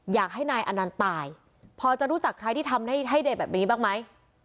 อยากให้นายอนันต์ตายพอจะรู้จักใครที่ทำให้เดย์แบบนี้บ้างไหม